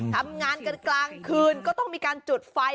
ทำงานกันกลางคืนก็ต้องมีการจุดไฟ